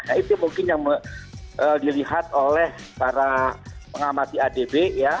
nah itu mungkin yang dilihat oleh para pengamati adb ya